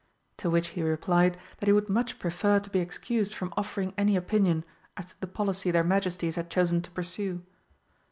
To which he replied that he would much prefer to be excused from offering any opinion as to the policy their Majesties had chosen to pursue.